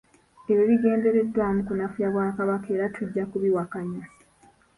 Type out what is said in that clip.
Ebyo bigendereddwamu kunafuya Bwakabaka era tujja kubiwakanya.